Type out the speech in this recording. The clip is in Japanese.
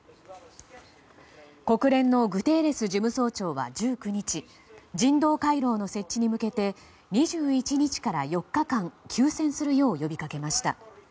国連のグテーレス事務総長は１９日人道回廊の設置に向けて２１日から４日間休戦するよう呼びかけました。